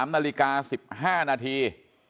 ๓นาฬิกา๑๕นาที